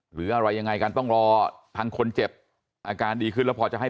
หรืออะไรยังไงกันต้องรอทางคนเจ็บอาการดีขึ้นแล้วพอจะให้